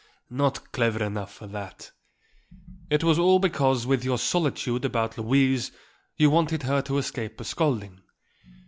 "Not clever enough for that. It was all because with your solicitude about Louise you wanted her to escape a scolding.